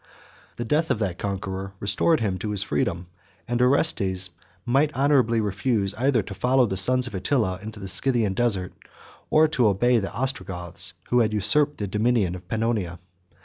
The death of that conqueror restored him to his freedom; and Orestes might honorably refuse either to follow the sons of Attila into the Scythian desert, or to obey the Ostrogoths, who had usurped the dominion of Pannonia.